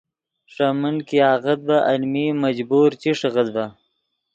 ݰے من کہ آغت ڤے المین مجبور چی ݰیغیت ڤے